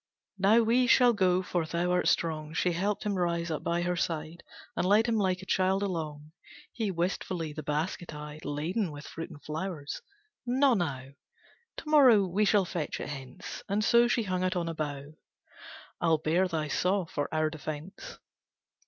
"Now we shall go, for thou art strong." She helped him rise up by her side And led him like a child along, He, wistfully the basket eyed Laden with fruit and flowers. "Not now, To morrow we shall fetch it hence." And so, she hung it on a bough, "I'll bear thy saw for our defence."